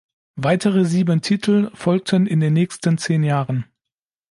Weitere sieben Titel folgten in den nächsten zehn Jahren.